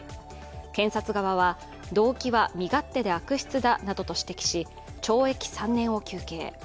検察側は、動機は身勝手で悪質だなどと指摘し、懲役３年を求刑。